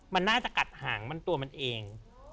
มันน่าจะกัดหางมันตัวมันเอง